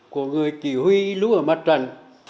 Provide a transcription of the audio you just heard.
của người chỉ huy lúc ở mặt trần